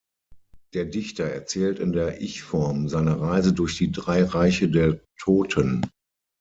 Der Dichter erzählt in der Ichform seine Reise durch die drei Reiche der Toten.